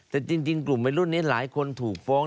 แต่จริงกลุ่มวัยรุ่นนี้หลายคนถูกฟ้อง